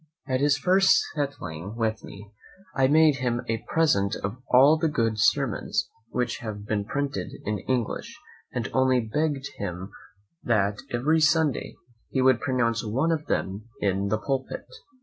At his first settling with me, I made him a present of all the good sermons which have been printed in English, and only begg'd of him that every Sunday he would pronounce one of them in the pulpit.